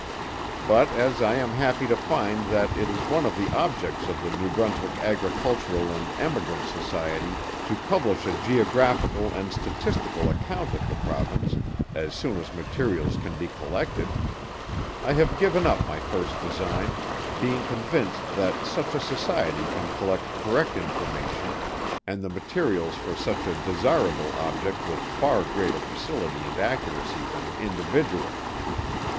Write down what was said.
But as I am happy to find that it is one of the objects of the New Brunswick Agricultural and Emigrant Society, to publish a Geographical and Statistical Account of the Province, as soon as materials can be collected, I have given up my first design being convinced that such a Society can collect correct information and the materials for such a desirable object with far greater facility and accuracy than an individual.